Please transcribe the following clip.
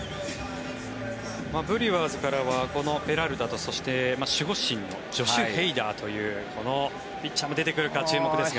ブリュワーズからはこのペラルタとそして守護神のジョシュ・ヘイダーというこのピッチャーも出てくるか注目ですが。